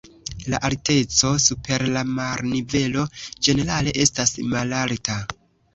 La alteco super la marnivelo ĝenerale estas malalta.